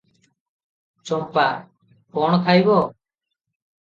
ଚମ୍ପା - କଣ ଖାଇବ?